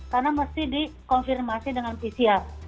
karena mesti dikonfirmasi dengan pcr